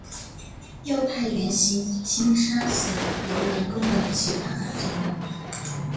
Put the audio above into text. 又派元行钦杀死刘仁恭的其他儿子们。